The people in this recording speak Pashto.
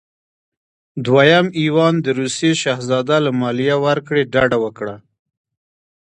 دویم ایوان د روسیې شهزاده له مالیې ورکړې ډډه وکړه.